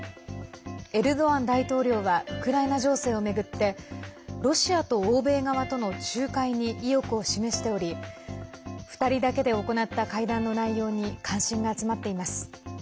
エルドアン大統領はウクライナ情勢を巡ってロシアと欧米側との仲介に意欲を示しており２人だけで行った会談の内容に関心が集まっています。